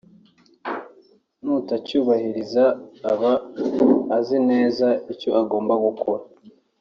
n’utacyubahiriza aba azi neza icyo agomba gukora